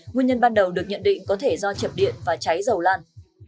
nguyên nhân ban đầu được nhận định có thể do chập điện và cháy dầu lan